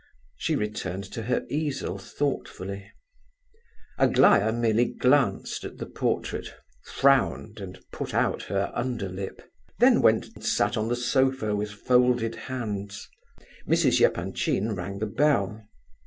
She returned to her easel thoughtfully. Aglaya merely glanced at the portrait—frowned, and put out her underlip; then went and sat down on the sofa with folded hands. Mrs. Epanchin rang the bell.